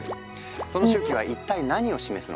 その周期は一体何を示すのか？